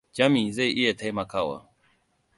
Jami zai iya taimakawa.